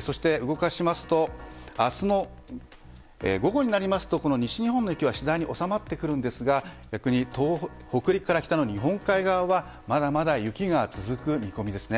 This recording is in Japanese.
そして、明日の午後になりますと西日本の雪は次第に収まってくるんですが逆に、北陸から北の日本海側はまだまだ雪が続く見込みですね。